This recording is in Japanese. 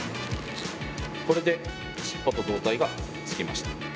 これで尻尾と胴体がくっつきました。